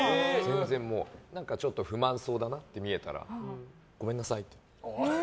ちょっと不満そうだなって見えたらごめんなさい。